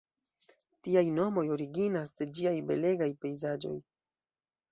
Tiaj nomoj originas de ĝiaj belegaj pejzaĝoj.